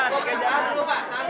nah ini angkat kotak